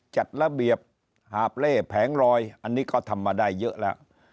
จัดระเบียบหาบเล่แผงลอยอันนี้ก็ทำมาได้เยอะแล้ว